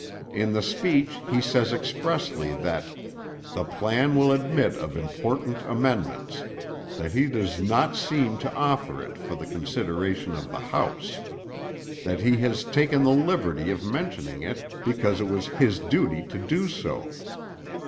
In the speech he says expressly that the "plan will admit of important amendments"; that he does "not mean to offer it for the consideration of the House"; that he has "taken the liberty of mentioning it because it was his duty to do so."